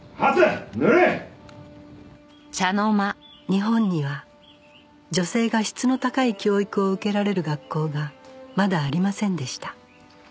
日本には女性が質の高い教育を受けられる学校がまだありませんでした